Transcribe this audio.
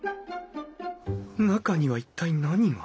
中には一体何が？